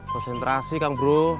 konsentrasi kang bro